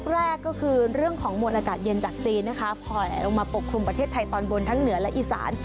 แรกก็คือเรื่องของมวลอากาศเย็นจากจีนนะคะพอแผลลงมาปกคลุมประเทศไทยตอนบนทั้งเหนือและอีสาน